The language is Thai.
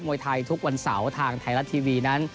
วยไทยทุกวันเสาร์ทางไทยรัฐทีวีนั้น